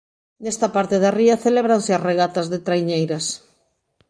Nesta parte da ría celébranse as regatas de traiñeiras